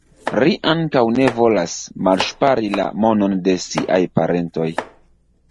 Ri ankaŭ ne volas malŝpari la monon de siaj parentoj.